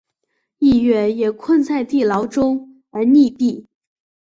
逸悦也困在地牢中而溺毙。